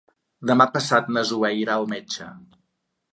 Demà passat na Zoè irà al metge.